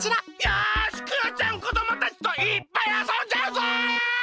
よしクヨちゃんこどもたちといっぱいあそんじゃうぞ！